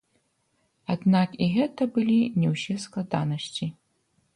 Аднак і гэта былі не ўсе складанасці.